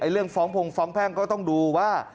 เรื่องฟ้องพงฟ้องแพ่งก็ต้องดูว่า